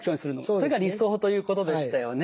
それが理想ということでしたよね。